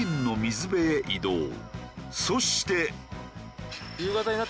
そして。